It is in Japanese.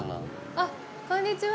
あっこんにちは